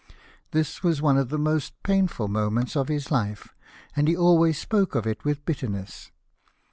This was one of the most painful moments of his hfe, and he always spoke of it with bitterness.